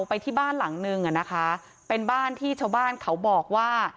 ไปที่บ้านหลังนึงอ่ะนะคะเป็นบ้านที่ชาวบ้านเขาบอกว่า